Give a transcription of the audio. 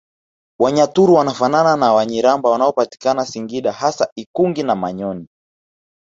Wanyaturu wanafanana na Wanyiramba wanapatikana singida hasa ikungi na manyoni